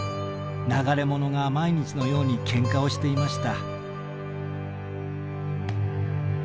流れ者が毎日のようにけんかをしていました」。